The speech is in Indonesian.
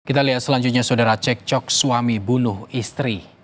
kita lihat selanjutnya saudara cek cok suami bunuh istri